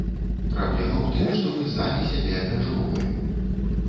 Праблема ў тым, што мы самі сябе абмяжоўваем.